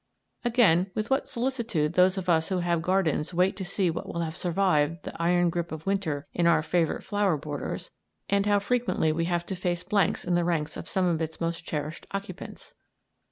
Again, with what solicitude those of us who have gardens wait to see what will have survived the iron grip of winter in our favourite flower borders, and how frequently we have to face blanks in the ranks of some of its most cherished occupants!